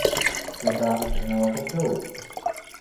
لە تاقیکردنەوەکە کەوت.